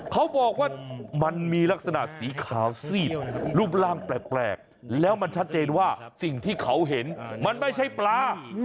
เขาบอกว่ามันมีลักษณะสีขาวซีดรูปร่างแปลกแล้วมันชัดเจนว่าสิ่งที่เขาเห็นมันไม่ใช่ปลา